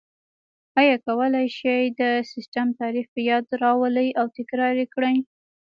آیا کولای شئ د سیسټم تعریف په یاد راولئ او تکرار یې کړئ؟